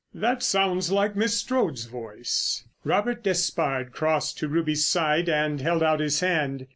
"That sounds like Miss Strode's voice." Robert Despard crossed to Ruby's side and held out his hand.